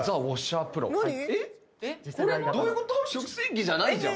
食洗機じゃないじゃん。